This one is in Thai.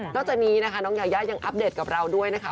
จากนี้นะคะน้องยายายังอัปเดตกับเราด้วยนะคะ